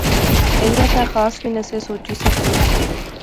ایہہ تہ خاص وی نہسے سوچی سکے